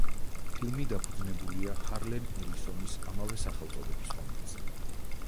ფილმი დაფუძნებულია ჰარლან ელისონის ამავე სახელწოდების რომანზე.